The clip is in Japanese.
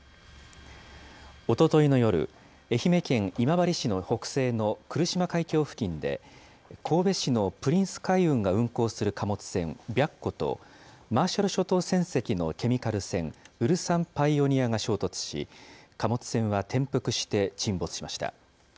おとといの夜、愛媛県今治市の北西の来島海峡付近で、神戸市のプリンス海運が運航する貨物船、白虎と、マーシャル諸島船籍のケミカル船ＵＬＳＡＮＰＩＯＮＥＥＲが衝突し、貨物船は転覆して沈没しました。